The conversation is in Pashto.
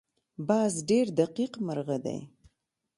باز ډېر دقیق مرغه دی